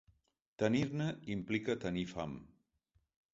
Tenir-ne implica tenir fam.